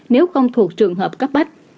nếu không thuộc trường hợp cấp bách